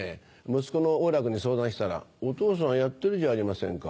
息子の王楽に相談したら「お父さんやってるじゃありませんか。